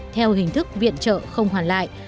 theo hình thức viện trợ không hoàn lại